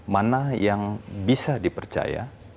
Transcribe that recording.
mana yang bisa dipercaya